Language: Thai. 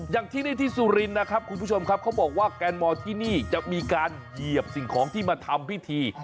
อย่างที่นี่ที่สุรินทร์นะครับคุณผู้ชมครับเขาบอกว่าแกนมอลที่นี่จะมีการเหยียบสิ่งของที่มาทำพิธี